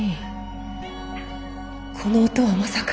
この音はまさか。